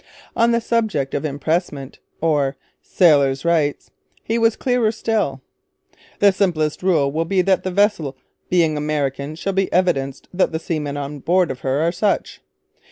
On the subject of impressment, or 'Sailors' Rights,' he was clearer still: 'The simplest rule will be that the vessel being American shall be evidence that the seamen on board of her are such.'